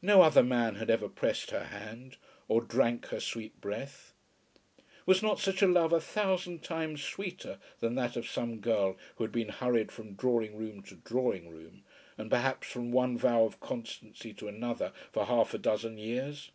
No other man had ever pressed her hand, or drank her sweet breath. Was not such a love a thousand times sweeter than that of some girl who had been hurried from drawing room to drawing room, and perhaps from one vow of constancy to another for half a dozen years?